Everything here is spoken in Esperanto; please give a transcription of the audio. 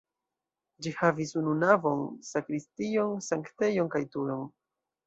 Ĝi havis unu navon, sakristion, sanktejon kaj turon.